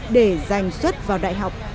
để giành xuất vào đại học